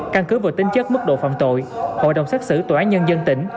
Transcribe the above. căn cứ vừa tính chất mức độ phạm tội hội đồng xác xử tòa án nhân dân tỉnh